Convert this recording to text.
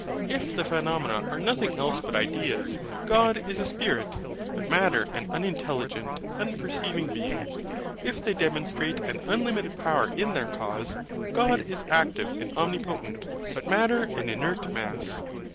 If the PHENOMENA are nothing else but IDEAS; God is a SPIRIT, but Matter an unintelligent, unperceiving being. If they demonstrate an unlimited power in their cause; God is active and omnipotent, but Matter an inert mass.